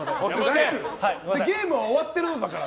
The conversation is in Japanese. ゲームは終わってるんだから